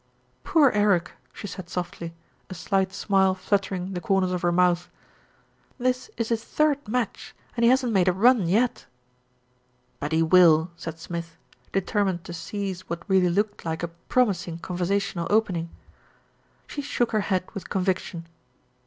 "Poor Eric!" she said softly, a slight smile flutter ing the corners of her mouth. "This is his third match, and he hasn't made a run yet." "But he will," said Smith, determined to seize what 184 THE RETURN OF ALFRED really looked like a promising conversational opening. She shook her head with conviction.